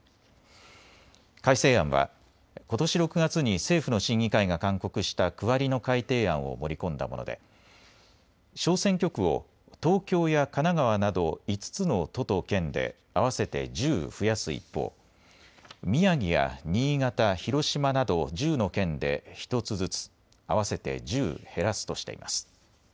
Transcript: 改正案はことし６月に政府の審議会が勧告した区割りの改定案を盛り込んだもので小選挙区を東京や神奈川など５つの都と県で合わせて１０増やす一方、宮城や新潟、広島など１０の県で１つずつ、合わせて１０減らすとしています。